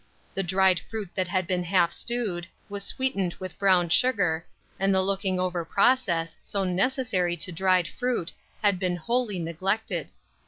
The dried fruit that had been half stewed, was sweetened with brown sugar, and the looking over process, so necessary to dried fruit, had been wholly neglected.